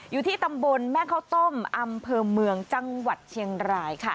อยู่ที่ตำบลแม่ข้าวต้มอำเภอเมืองจังหวัดเชียงรายค่ะ